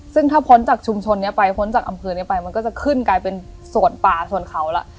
ซึ่งถ้าพ้นจากชุมชนนี้ไปพ้นจากอำเภอนี้ไปมันก็จะขึ้นกลายเป็นส่วนป่าส่วนเขาแล้ว